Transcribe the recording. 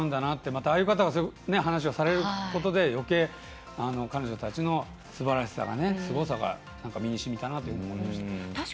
ああいう方が話をされることでよけい、彼女たちのすばらしさ、すごさが身にしみたなと思いました。